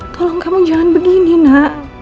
tolong kamu jangan begini nak